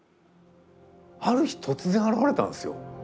ある日突然現れたんですよ。